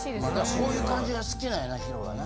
こういう感じが好きなんやなＨｉｒｏはな。